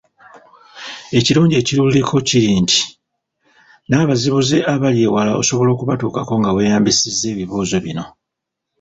Ekirungi ekiruliko kiri nti n’abazibuzi abali ewala osobola okubatuukako nga weeyambisa ebibuuzo bino.